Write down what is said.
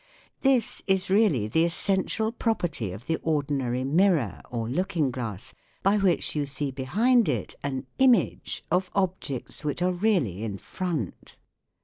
This is really the essential property of the ordinary mirror or looking glass, by which you see behind it an " image " of objects which are really in front.